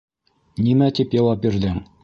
— Нимә тип яуап бирҙең?